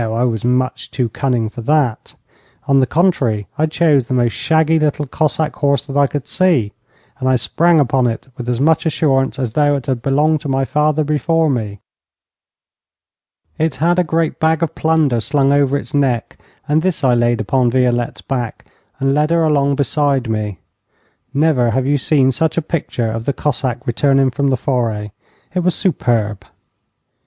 I was much too cunning for that. On the contrary, I chose the most shaggy little Cossack horse that I could see, and I sprang upon it with as much assurance as though it had belonged to my father before me. It had a great bag of plunder slung over its neck, and this I laid upon Violette's back, and led her along beside me. Never have you seen such a picture of the Cossack returning from the foray. It was superb.